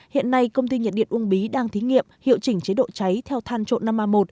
hiện nay công ty nhiệt điện uông bí đang thí nghiệm hiệu chỉnh chế độ cháy theo than trộn năm a một